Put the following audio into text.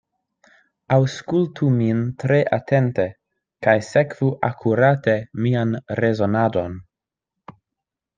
Aŭskultu min tre atente, kaj sekvu akurate mian rezonadon.